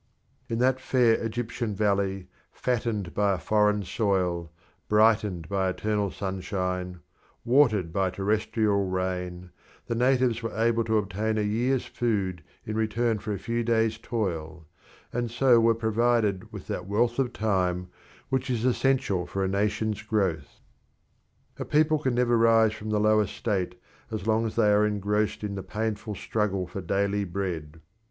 In that fair Egyptian valley, fattened by a foreign soil, brightened by eternal sunshine, watered by terrestrial rain, the natives were able to obtain a year's food in return for a few days' toil, and so were provided with that wealth of time which is essential for a nation's growth. A people can never rise from low estate as long as they are engrossed in the painful struggle for daily bread.